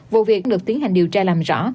vụ việc được tiến hành điều tra làm rõ